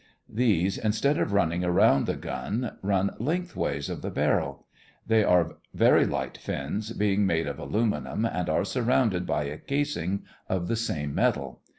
These, instead of running around the gun, run lengthwise of the barrel. They are very light fins, being made of aluminum, and are surrounded by a casing of the same metal.